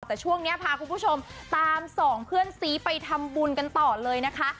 แต่ช่วงนี้พาคุณผู้ชมตามสองเพื่อนซีไปทำบุญกันต่อเลยนะคะ